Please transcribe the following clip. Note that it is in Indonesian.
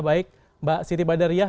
baik mbak siti badariah